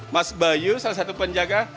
mas bayu salah satu penjaga